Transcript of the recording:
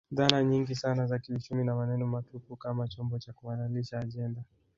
Dhana nyingi sana za kiuchumi na maneno matupu kama chombo cha kuhalalisha ajenda